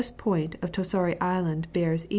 point of Torsari. Island bears E.